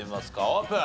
オープン。